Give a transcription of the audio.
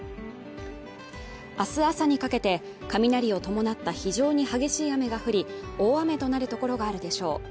あす朝にかけて雷を伴った非常に激しい雨が降り大雨となる所があるでしょう